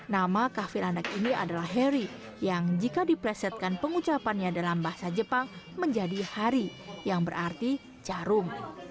nama kafe landak ini adalah heri yang jika dipresetkan pengucapannya dalam bahasa jepang menjadi hari yang berarti carung